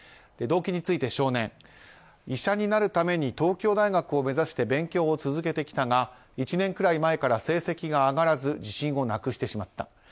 動機について少年は医者になるために東京大学を目指して勉強を続けてきたが１年くらい前から成績が上がらず自信をなくしてしまった。